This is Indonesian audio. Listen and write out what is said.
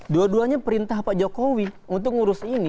dua duanya perintah pak jokowi untuk ngurus ini